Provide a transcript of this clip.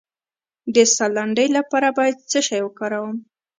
د ساه لنډۍ لپاره باید څه شی وکاروم؟